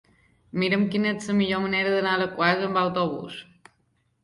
Mira'm quina és la millor manera d'anar a Alaquàs amb autobús.